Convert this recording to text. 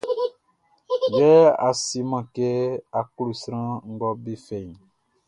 Yɛ a seman kɛ a klo sran nga be fɛʼn.